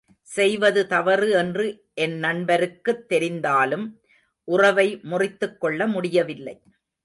செய்வது தவறு என்று என் நண்பருக்குத் தெரிந்தாலும் உறவை முறித்துக் கொள்ள முடியவில்லை.